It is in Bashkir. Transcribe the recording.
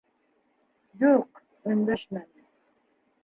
— Юҡ, өндәшмәнем.